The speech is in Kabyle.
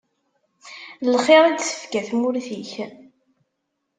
Lxir i d-tefka tmurt-ik.